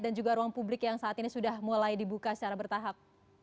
dan juga ruang publik yang saat ini sudah mulai dibuka secara bertahap